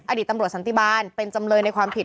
อดีตตำรวจสันติบาลเป็นจำเลยในความผิด